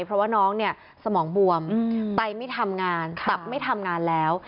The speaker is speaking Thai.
เพราะว่าน้องเนี่ยสมองบวมไตไม่ทำงานตับไม่ทำงานแล้ว